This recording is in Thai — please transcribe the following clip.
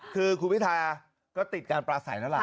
คือคุณพิทาก็ติดการปลาใสแล้วล่ะ